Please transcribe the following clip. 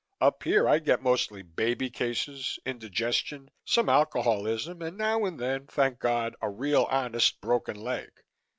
Up here I get mostly baby cases, indigestion, some alcoholism and now and then, thank God, a real honest broken leg.